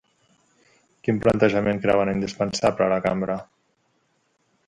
Quin plantejament creuen indispensable a la cambra?